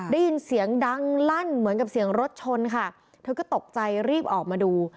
ได้ยินเสียงดังลั่นเหมือนกับเสียงรถชนค่ะเธอก็ตกใจรีบออกมาดู